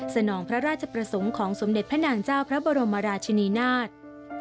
นองพระราชประสงค์ของสมเด็จพระนางเจ้าพระบรมราชินีนาฏ